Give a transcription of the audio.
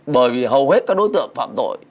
bởi vì hầu hết các đối tượng phạm tội